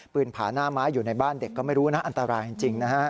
ผาหน้าไม้อยู่ในบ้านเด็กก็ไม่รู้นะอันตรายจริงนะฮะ